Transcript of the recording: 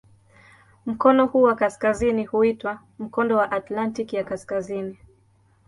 Mkono huu wa kaskazini huitwa "Mkondo wa Atlantiki ya Kaskazini".